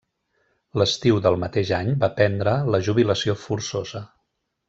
L'estiu del mateix any va prendre la jubilació forçosa.